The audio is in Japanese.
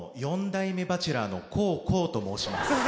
４代目バチェラーの黄皓と申します。